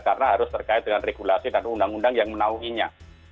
karena harus terkait dengan regulasi dan undang undang yang menawihnya